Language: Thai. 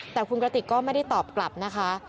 แต่คุณกระติกก็ไม่ได้ตอบกลับนะคะ